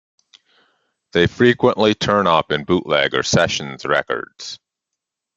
They frequently turn up in bootleg or "sessions" records.